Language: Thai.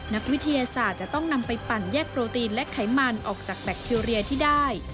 นักวิทยาศาสตร์จะต้องนำไปปั่นแยกโปรตีนและไขมันออกจากแบคทีเรียที่ได้